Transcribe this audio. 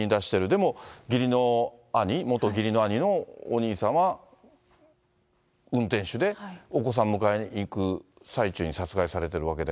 でも、義理の兄、元義理の兄のお兄さんは運転手で、お子さんを迎えに行く最中に殺害されているわけで。